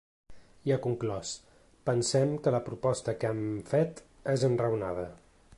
I ha conclòs: Pensem que la proposta que hem fet és enraonada.